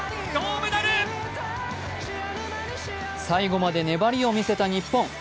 最後まで粘りを見せた日本。